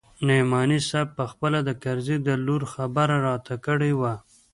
نعماني صاحب پخپله د کرزي د لور خبره راته کړې وه.